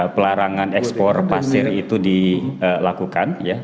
pelarangan ekspor pasir itu dilakukan